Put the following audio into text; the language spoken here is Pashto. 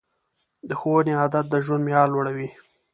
د ښوونې عادت د ژوند معیار لوړوي.